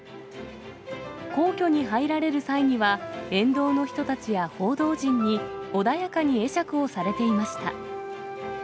皇居に入られる際には、沿道の人たちや報道陣に穏やかに会釈をされていました。